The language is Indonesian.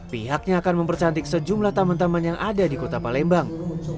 pihaknya akan mempercantik sejumlah taman taman yang ada di kota palembang